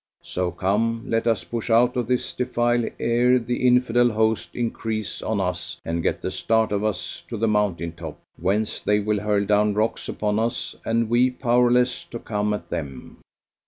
So come, let us push out of this defile ere the Infidel host increase on us and get the start of us to the mountain top, whence they will hurl down rocks upon us, and we powerless to come at them."